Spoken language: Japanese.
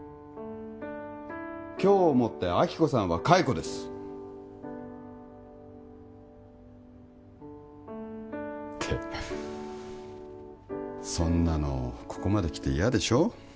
今日をもって亜希子さんは解雇ですってそんなのここまできて嫌でしょ？